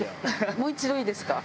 もう一度いいですか？